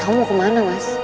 kamu kemana mas